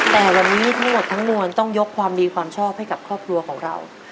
แต่วันนี้ทั้งหมดทั้งมวลต้องยกความดีความชอบให้กับครอบครัวของเรา